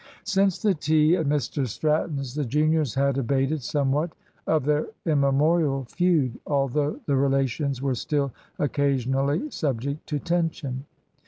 Since the tea at Mr Stratton's, the juniors had abated somewhat of their immemorial feud, although the relations were still occasionally subject to tension.